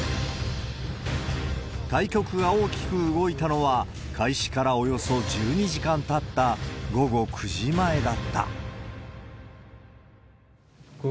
対局が大きく動いたのは、開始からおよそ１２時間たった、午後９時前だった。